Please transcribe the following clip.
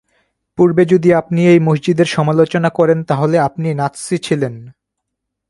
পূর্বে যদি আপনি এই মসজিদের সমালোচনা করেন তাহলে আপনি নাৎসি ছিলেন।